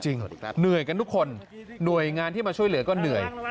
เหนื่อยกันทุกคนหน่วยงานที่มาช่วยเหลือก็เหนื่อย